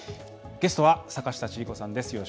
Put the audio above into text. ゲストは坂下千里子さんです。